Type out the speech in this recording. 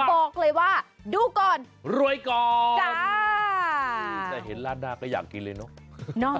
บอกเลยว่าดูก่อนรวยก่อนจ้าจะเห็นราดหน้าก็อยากกินเลยเนอะ